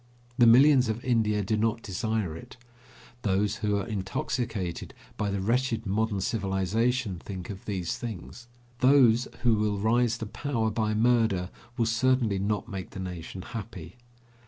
The millions of India do not desire it. Those who are intoxicated by the wretched modern civilization think of these things. Those who will rise to power by murder will certainly not make the nation happy.